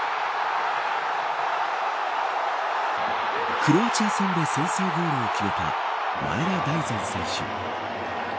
クロアチア戦で先制ゴールを決めた前田大然選手。